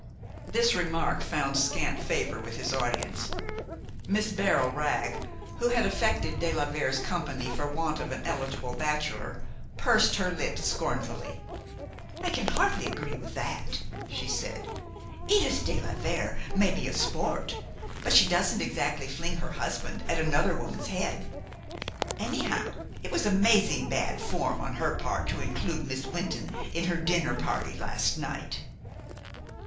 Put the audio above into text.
This remark found scant favor with his audience. Miss Beryl Wragg, who had affected de la Vere's company for want of an eligible bachelor, pursed her lips scornfully. "I can hardly agree with that," she said. "Edith de la Vere may be a sport; but she doesn't exactly fling her husband at another woman's head. Anyhow, it was amazing bad form on her part to include Miss Wynton in her dinner party last night."